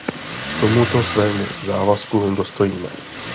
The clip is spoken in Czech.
Tomuto svému závazku dostojíme.